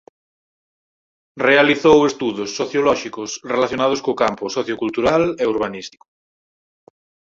Realizou estudos sociolóxicos relacionados co campo sociocultural e urbanístico.